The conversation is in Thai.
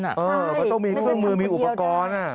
ใช่ไม่ได้ทำคนเดียวได้มันต้องมีมือมีอุปกรณ์อ่ะ